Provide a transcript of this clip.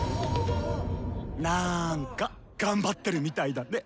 なんかがんばってるみたいだネ。